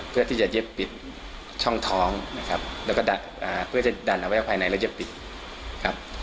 เพื่อที่จะเย็บปิดช่องท้องนะครับแล้วก็เพื่อจะดันเอาไว้ภายในแล้วเย็บปิดครับ